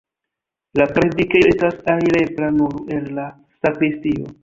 La predikejo estas alirebla nur el la sakristio.